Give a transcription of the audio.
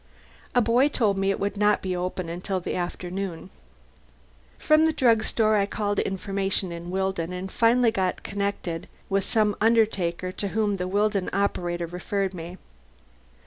A boy told me it would not be open until the afternoon. From a drugstore I called "information" in Willdon, and finally got connected with some undertaker to whom the Willdon operator referred me.